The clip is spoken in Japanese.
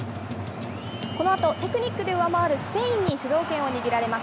このあとテクニックで上回るスペインに主導権を握られます。